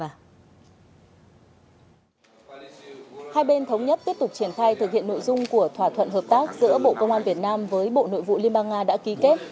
hai bên thống nhất tiếp tục triển khai thực hiện nội dung của thỏa thuận hợp tác giữa bộ công an việt nam với bộ nội vụ liên bang nga đã ký kết